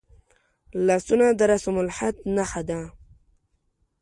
لاسونه د رسمالخط نښه ده